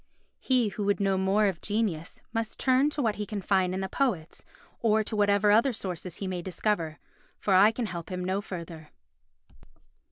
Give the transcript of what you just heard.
He who would know more of genius must turn to what he can find in the poets, or to whatever other sources he may discover, for I can help him no further.